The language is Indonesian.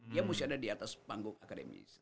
dia mesti ada di atas panggung akademis